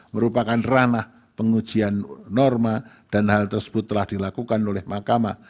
merupakan ranah pengujian norma dan hal tersebut telah dilakukan oleh mahkamah